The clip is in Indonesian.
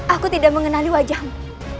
aku tidak mengenali wajahmu